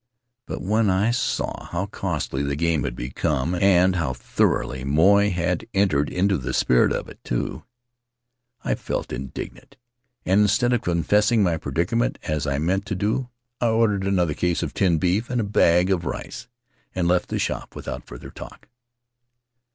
But when I saw how costly the game had become, and how thoroughly Moy had entered into the spirit of it, too, I felt indignant; and instead of confessing my predicament as I meant to do, I ordered another case of tinned beef and a bag of rice and left the shop without further talk.